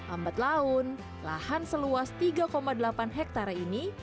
ambat laun lahan seluas tiga delapan hektare ini